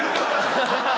ハハハハ。